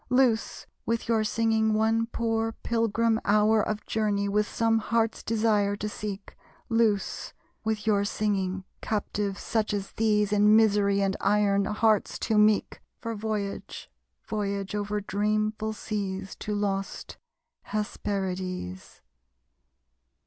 Loose, with your singing, one poor pilgrim hour Of journey, with some Heart's Desire to seek. Loose, with your singing, captives such as these In misery and iron, hearts too meek, For voyage voyage over dreamful seas To lost Hesperides.